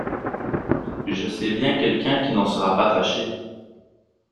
Je sais bien quelqu'un qui n'en sera pas fâché.